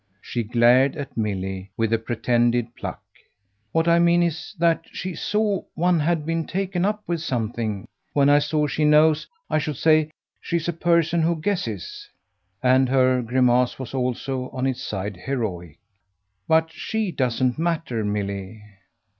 She glared at Milly with a pretended pluck. "What I mean is that she saw one had been taken up with something. When I say she knows I should say she's a person who guesses." And her grimace was also, on its side, heroic. "But SHE doesn't matter, Milly."